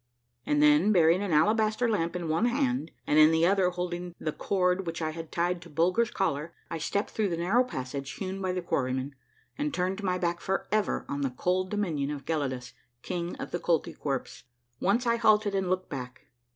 And then, bearing an alabaster lamp in one hand and in the other holding the cord which I had tied to Bulger's collar, I stepped through the narrow passage hewn by the quarrymen, and turned my back forever on the cold dominion of Gelidus, King of the Koltykwerps. Once I halted 206 A MARVELLOUS UNDERGROUND JOURNEY and looked back.